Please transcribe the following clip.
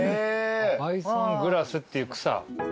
バイソングラスっていう草。